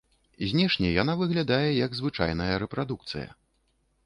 Знешне яна выглядае, як звычайная рэпрадукцыя.